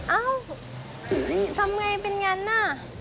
เอ้าทำยังไงเป็นงานน่ะ